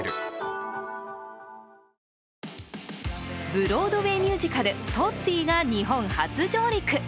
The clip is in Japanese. ブロードウェイミュージカル「トッツィー」が日本初上陸。